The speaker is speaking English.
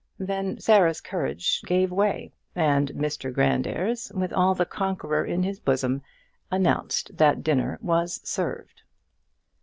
then Sarah's courage gave way, and Mr Grandairs, with all the conqueror in his bosom, announced that dinner was served.